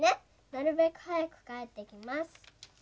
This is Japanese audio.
なるべくはやくかえってきます」。